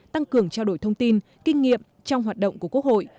tăng cường trao đổi thông tin kinh nghiệm trong hoạt động của quốc hội